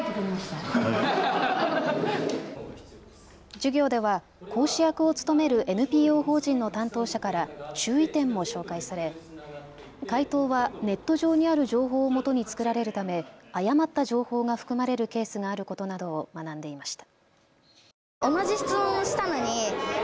授業では講師役を務めるＮＰＯ法人の担当者から注意点も紹介され回答はネット上にある情報をもとに作られるため誤った情報が含まれるケースがあることなどを学んでいました。